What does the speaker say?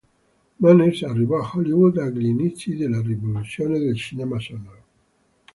Manners arrivò a Hollywood agli inizi della rivoluzione del cinema sonoro.